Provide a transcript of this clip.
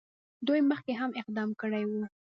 دوی مخکې هم اقدام کړی وو.